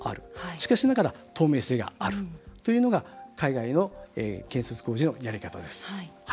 しかしながら透明性があるというのが海外の建設工事のやり方です。